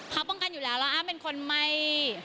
เขาป้องกันอยู่แล้วแล้วอ้ามเป็นคนไม่